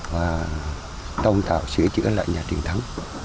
và đồng tạo sửa chữa lại nhà truyền thắng